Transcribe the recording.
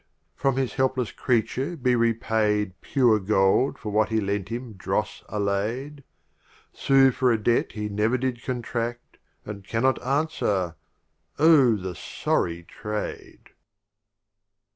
from his helpless Creature be repaid Pure Gold for what he lent him dross allay'd — Sue for a Debt he never did con tradt, And cannot answer — Oh the sorry trade